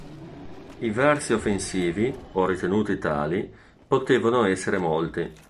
I versi offensivi, o ritenuti tali, potevano essere molti.